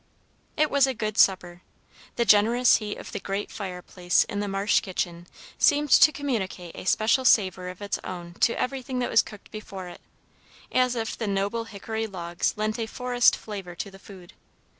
It was a good supper. The generous heat of the great fireplace in the Marsh kitchen seemed to communicate a special savor of its own to everything that was cooked before it, as if the noble hickory logs lent a forest flavor to the food.